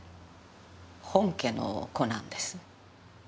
本家の子なんです。